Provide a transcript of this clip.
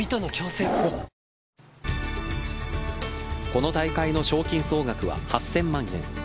この大会の賞金総額は８０００万円。